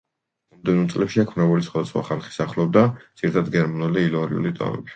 მომდევნო წლებში აქ მრავალი სხვადასხვა ხალხი სახლობდა, ძირითადად გერმანული და ილირიული ტომები.